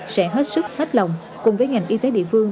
sẽ hết sức hết lòng cùng với ngành y tế địa phương